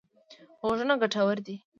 غوږونه ګټور دي.